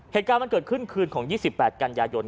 เหตุการณ์มันเกิดขึ้นคืนของ๒๘กันยายน